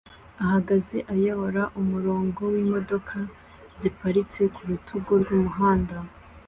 ihagaze ayobora umurongo wimodoka ziparitse ku rutugu rwumuhanda